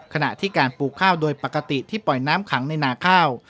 ขณะที่การปลูกข้าวโดยปกติที่ปล่อยน้ำขังในนาข้าว